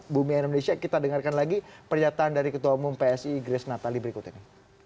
bumi indonesia kita dengarkan lagi pernyataan dari ketua umum psi grace natali berikut ini